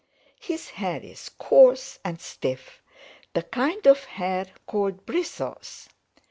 His hair is coarse and stiff, the kind of hair called bristles.